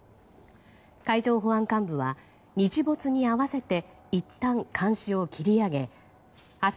海上保安監部は日没に合わせていったん監視を切り上げ明日